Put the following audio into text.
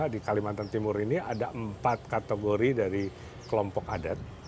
di kalimantan timur ini ada empat kategori dari kelompok adat